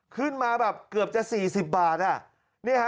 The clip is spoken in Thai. ขึ้นมาแบบเกือบจะ๔๐บาท